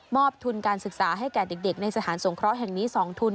ทุนการศึกษาให้แก่เด็กในสถานสงเคราะห์แห่งนี้๒ทุน